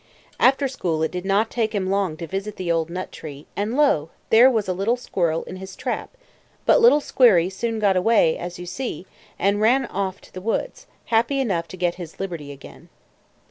After school it did not take him long to visit the old nut tree, and lo! there was a little squirrel in his trap; but little squirry soon got away, as you see, and ran off to the woods, happy enough to get his liberty again.